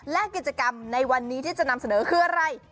และกิจกรรมในวันนี้ที่จะนำเสนอคืออะไร